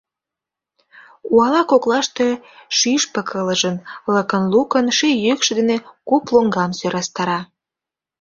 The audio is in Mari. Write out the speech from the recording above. Уала коклаште шӱшпык ылыжын, лыкын-лукын ший йӱкшӧ дене куп лоҥгам сӧрастара.